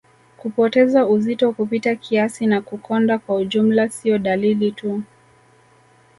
Kupoteza uzito kupita kiasi na kukonda kwa ujumla sio dalili tu